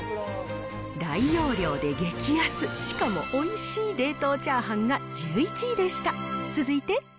大容量で激安、しかもおいしい冷凍チャーハンが１１位でした。